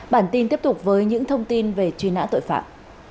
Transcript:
bản tin tiếp tục với những thông tin về truy nã tội phạm